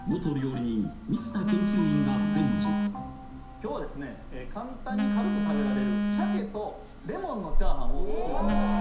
今日は簡単に軽く食べられるシャケとレモンのチャーハンを作りたいと思います。